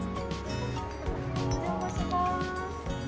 お邪魔します。